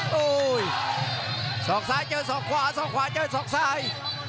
โอ้โหสอกซ้ายเจอศอกขวาสอกขวาเจอศอกซ้าย